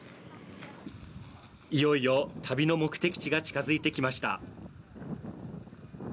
いよいよ旅の目的地が近づいてきました。